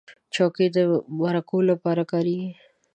چوکۍ د مرکو لپاره کارېږي.